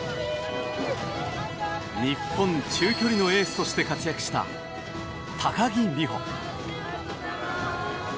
日本中距離のエースとして活躍した高木美帆。